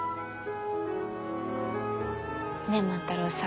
ねえ万太郎さん。